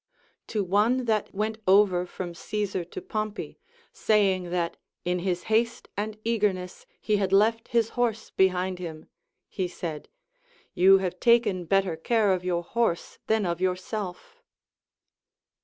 To one that went over from Caesar to Pompey, saying that in his haste and eagerness he had left his horse behind him, 246 THE APOPHTHEGMS OF KINGS he said, You have taken better care of your horse than of yourself.